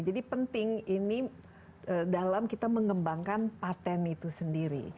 jadi penting ini dalam kita mengembangkan patent itu sendiri